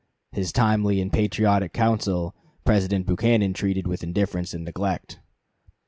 His timely and patriotic counsel President Buchanan treated with indifference and neglect.